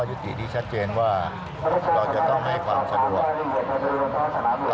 ตอนนี้สำหรับเรื่องของการอำนวยความสะดวกค่ะ